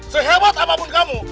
sehebat apapun kamu